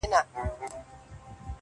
تل دي ښاد وي پر دنیا چي دي دوستان وي.!